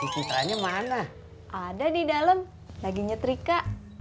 titranya mana ada di dalam lagi nyetrika